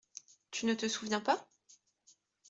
Tu ne te souviens pas?